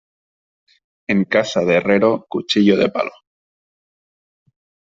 En casa del herrero, cuchillo de palo.